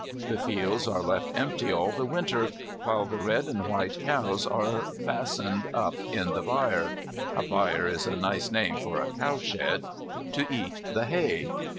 The fields are left empty all the Winter, while the red and white cows are fastened up in the byre (a byre is a nice name for a cowshed) to eat the hay.